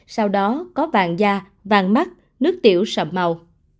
sau đó có vàng da vàng mắt nước tiểu sầm màu